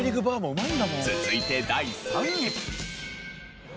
続いて第３位。